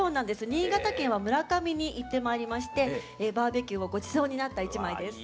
新潟県は村上に行ってまいりましてバーベキューをごちそうになった一枚です。